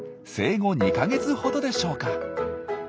生後２か月ほどでしょうか。